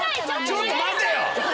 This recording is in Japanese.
ちょっと待てよ。